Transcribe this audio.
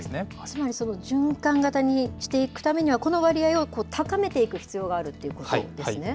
つまり循環型にしていくためには、この割合を高めていく必要があるということですね。